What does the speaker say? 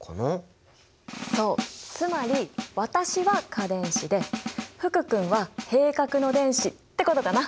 つまり私は価電子で福君は閉殻の電子ってことかな。